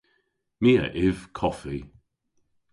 My a yv koffi.